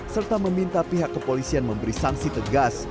serta meminta pihak kepolisian memberi sanksi tegas